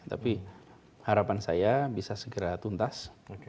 tapi harapan saya bisa segera tuntas